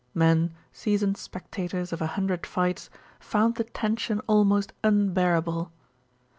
Men, seasoned spectators of a hundred fights, found the tension almost unbearable.